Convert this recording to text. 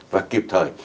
và kịp thời